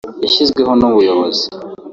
yashyizweho n’ubuyobozi